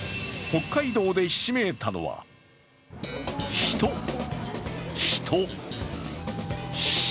北海道でひしめいたのは人、人、人。